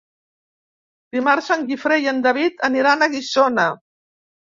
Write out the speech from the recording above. Dimarts en Guifré i en David aniran a Guissona.